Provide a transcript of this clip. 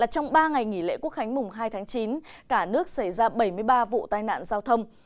trong ba ngày nghỉ lễ quốc khánh mùng hai tháng chín cả nước xảy ra bảy mươi ba vụ tai nạn giao thông